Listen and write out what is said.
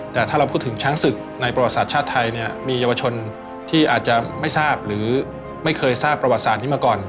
แต่ถ้าเราพูดถึงช้างศึกในประวัติศาสตร์ชาติไทยเนี่ยมีเยาวชนที่อาจจะไม่ทราบหรือไม่เคยทราบประวัติศาสตร์นี้มาก่อน